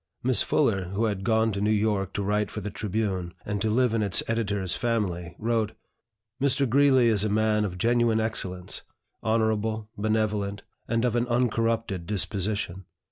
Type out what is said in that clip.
Miss Fuller, who had gone to New York to write for the "Tribune," and to live in its Editor's family, wrote: "Mr. Greeley is a man of genuine excellence, honorable, benevolent, and of an uncorrupted disposition.